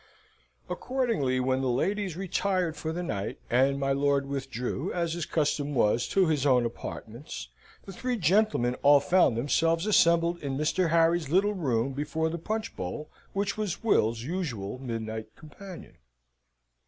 Accordingly, when the ladies retired for the night, and my lord withdrew as his custom was to his own apartments, the three gentlemen all found themselves assembled in Mr. Harry's little room before the punch bowl, which was Will's usual midnight companion.